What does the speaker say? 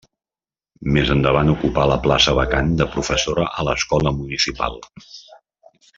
Més endavant ocupà la plaça vacant de professora a l'Escola Municipal.